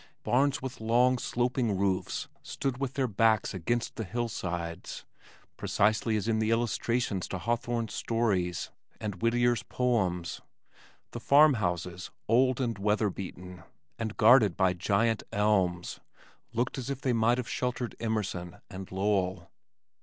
Barns with long, sloping roofs stood with their backs against the hillsides, precisely as in the illustrations to Hawthorne's stories, and Whittier's poems. The farm houses, old and weather beaten and guarded by giant elms, looked as if they might have sheltered Emerson and Lowell.